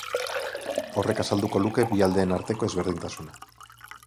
Horrek azalduko luke bi aldeen arteko ezberdintasuna.